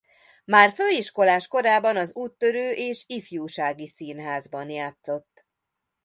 Már főiskolás korában az Úttörő és Ifjúsági Színházban játszott.